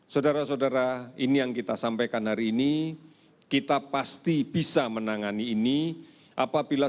saudara saudara ini yang kita sampaikan hari ini kita pasti bisa menangani ini apabila